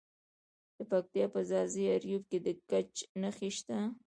د پکتیا په ځاځي اریوب کې د ګچ نښې شته.